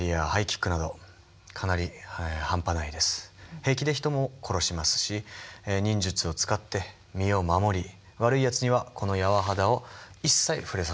平気で人も殺しますし忍術を使って身を守り悪いやつにはこの柔肌を一切触れさせません。